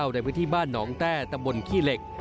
ในพื้นที่บ้านหนองแต้ตำบลขี้เหล็ก